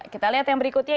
kita lihat yang berikutnya